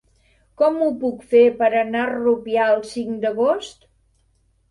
Com ho puc fer per anar a Rupià el cinc d'agost?